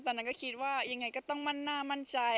ตอนนั้นก็คิดว่ายังไงก็ต้องมั่นหน้ามั่นใจ